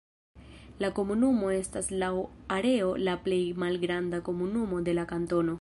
La komunumo estas laŭ areo la plej malgranda komunumo de la kantono.